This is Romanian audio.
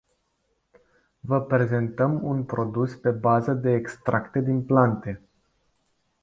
Vă prezentăm un produs pe bază de extracte din plante.